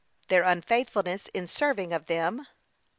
Their unfaithfulness in serving of them.